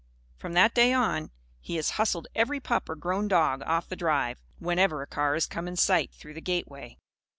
From that day on, he has hustled every pup or grown dog off the drive, whenever a car has come in sight through the gateway.